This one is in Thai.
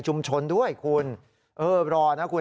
สายลูกไว้อย่าใส่